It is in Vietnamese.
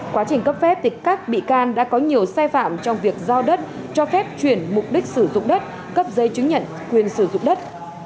quá trình cấp phép các bị can đã có nhiều sai phạm trong việc giao đất cho phép chuyển mục đích sử dụng đất cấp giấy chứng nhận quyền sử dụng đất